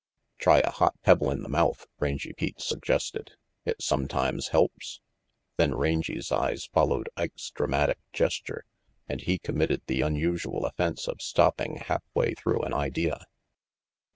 "Try a hot pebble in the mouth," Rangy Pete suggested. "It sometimes helps Then Rangy's eyes followed Ike's dramatic gesture, and he committed the unusual offence of stopping half way through an idea.